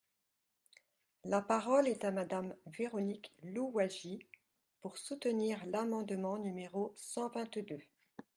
La parole est à Madame Véronique Louwagie, pour soutenir l’amendement numéro cent vingt-deux.